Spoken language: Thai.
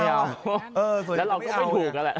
แล้วเราก็ไปถูกแล้วแหละ